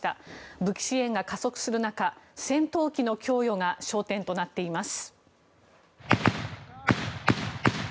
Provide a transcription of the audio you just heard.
武器支援が加速する中戦闘機の供与が焦点となっています。